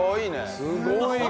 すごいね。